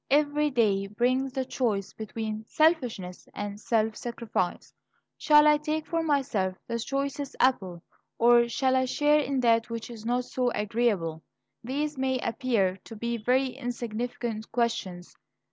Every day brings the choice between selfishness and self sacrifice. Shall I take for myself the choicest apple? or shall I share in that which is not so agreeable? These may appear to be very insignificant questions.